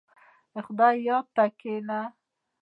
• د خدای یاد ته کښېنه.